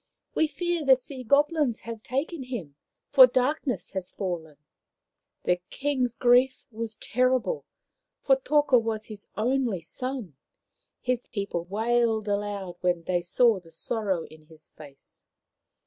" We fear the Sea Goblins have taken him, for darkness had fallen.' ' The King's grief was terrible, for Toka was his only son. His people wailed aloud when they saw the sorrow in his face.